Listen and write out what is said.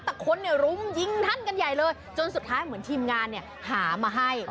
แต่คนรุมยิงท่านกันใหญ่เลยจนสุดท้ายเหมือนทีมงานหามาให้